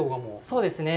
そうですね。